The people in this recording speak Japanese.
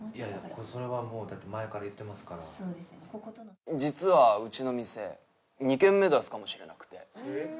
それはもうだって前から言ってますから実はうちの店２軒目出すかもしれなくてえっ？